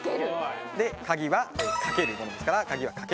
で鍵は掛けるものですから鍵は×。